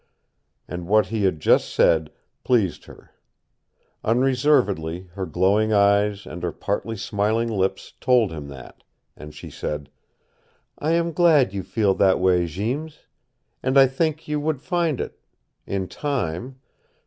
And what he had just said pleased her. Unreservedly her glowing eyes and her partly smiling lips told him that, and she said: "I am glad you feel that way, Jeems. And I think you would find it in time.